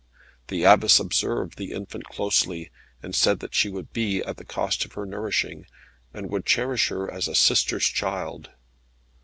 The Abbess observed the infant closely, and said that she would be at the cost of her nourishing, and would cherish her as a sister's child.